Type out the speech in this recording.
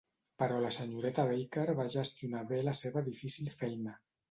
Però la senyoreta Barker va gestionar bé la seva difícil feina.